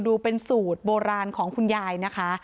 ดูเป็นสูตรโบราณของคุณยายนะคะ